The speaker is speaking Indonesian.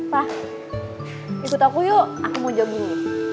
pa ikut aku yuk aku mau jogging